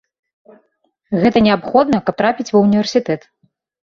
Гэта неабходна, каб трапіць ва ўніверсітэт.